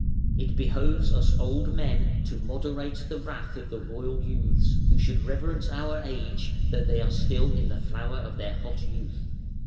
"It behoves us old, men to moderate the wrath of the royal youths, who should reverence our age, though they are still in the flower of their hot youth".